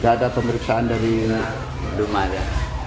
nggak ada pemeriksaan dari rumah ya